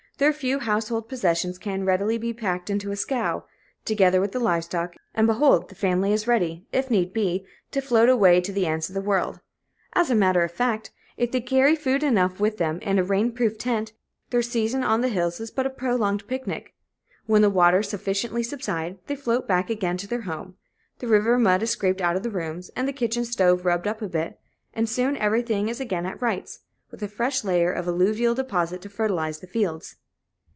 Their few household possessions can readily be packed into a scow, together with the live stock, and behold the family is ready, if need be, to float away to the ends of the world. As a matter of fact, if they carry food enough with them, and a rain proof tent, their season on the hills is but a prolonged picnic. When the waters sufficiently subside, they float back again to their home; the river mud is scraped out of the rooms, the kitchen stove rubbed up a bit, and soon everything is again at rights, with a fresh layer of alluvial deposit to fertilize the fields.